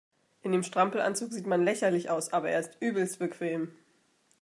In dem Strampelanzug sieht man lächerlich aus, aber er ist übelst bequem.